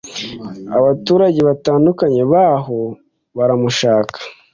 Abaturage batandukanye baho baramushaka